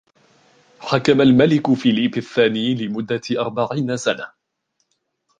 حكم الملك فيليب الثاني لمدة أربعين سنة.